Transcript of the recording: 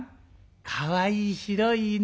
かわいい白い犬。